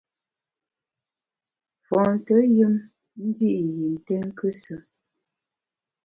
Fonte yùm ndi’ yi nté nkusù.